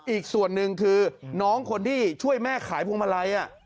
อีกส่วนหนึ่งคือน้องคนที่ช่วยแม่ขายพวงมาลัย